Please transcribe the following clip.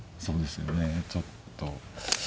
そうですよねちょっと。